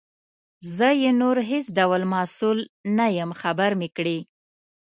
زه یې نور هیڅ ډول مسؤل نه یم خبر مي کړې.